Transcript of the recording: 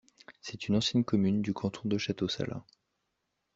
C'est une ancienne commune du canton de Château-Salins.